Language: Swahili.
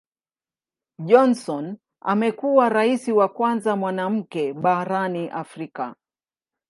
Johnson amekuwa Rais wa kwanza mwanamke barani Afrika.